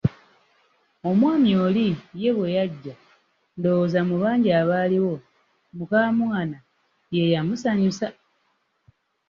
Omwami oli ye bwe yajja ndowooza mu bangi abaaliwo mukamwana yeyamusanyusa.